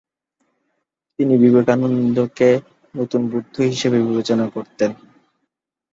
তিনি বিবেকানন্দকে ‘নতুন বুদ্ধ’ হিসেবে বিবেচনা করতেন।